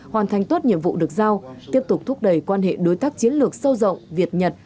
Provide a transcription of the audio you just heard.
hoàn thành tốt nhiệm vụ được giao tiếp tục thúc đẩy quan hệ đối tác chiến lược sâu rộng việt nhật